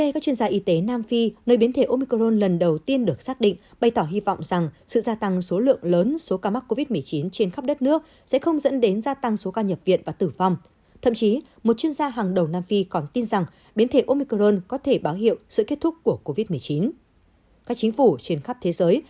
các bạn hãy đăng ký kênh để ủng hộ kênh của chúng mình nhé